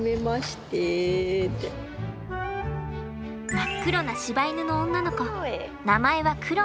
真っ黒なしば犬の女の子名前はクロエ。